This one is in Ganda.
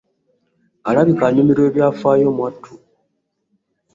Olabika onyumirwa ebyafaayo mwattu.